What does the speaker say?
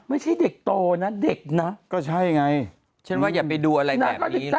ไม่ใช่เด็กโตนะเด็กนะก็ใช่ไงฉันว่าอย่าไปดูอะไรแบบนี้นะ